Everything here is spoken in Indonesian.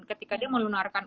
ketika dia menularkan